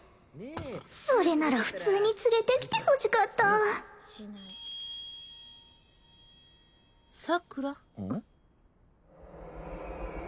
それなら普通に連れてきてほしかったサクラあっ